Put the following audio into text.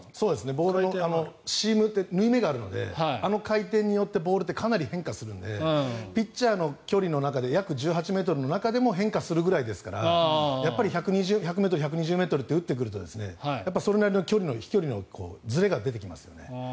ボールのシーム縫い目があるのであの回転によってかなり変化するのでピッチャーの距離の中で約１８ｍの中でも変化するくらいですから１００ｍ、１２０ｍって打ってくるとそれなりの飛距離のずれが出てきますよね。